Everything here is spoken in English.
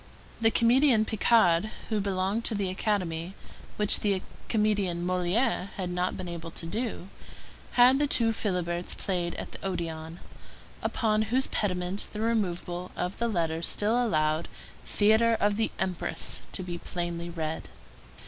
The comedian Picard, who belonged to the Academy, which the comedian Molière had not been able to do, had The Two Philiberts played at the Odéon, upon whose pediment the removal of the letters still allowed THEATRE OF THE EMPRESS to be plainly read.